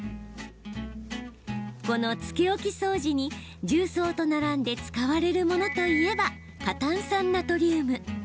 このつけ置き掃除に重曹と並んで使われるものといえば過炭酸ナトリウム。